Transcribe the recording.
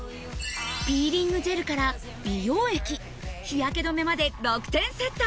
ピーリングジェルから美容液日焼け止めまで６点セット